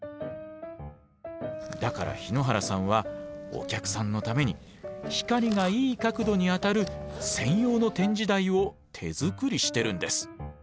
だから日野原さんはお客さんのために光がいい角度に当たる専用の展示台を手作りしてるんです。